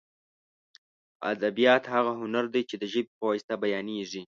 ادبیات هغه هنر دی چې د ژبې په واسطه بیانېږي.